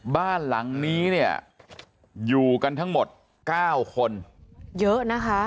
บ้านหลังนี้เนี่ยอยู่กันทั้งหมด๙คนเยอะนะคะ